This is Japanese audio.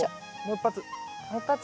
もう一発。